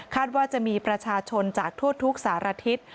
ว่าจะมีประชาชนจากทั่วทุกสารทิศ